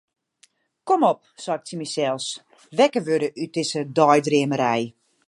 Kom op, sei ik tsjin mysels, wekker wurde út dizze deidreamerij.